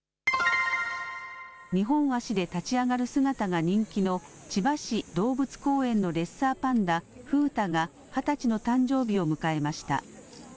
２本足で立ち上がる姿が人気の千葉市動物公園のレッサーパンダ、風太が、２０歳の誕生日を迎えました。